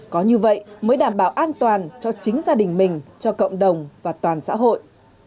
có như vậy mới đảm bảo an toàn cho chính gia đình mình cho cộng đồng và toàn xã hội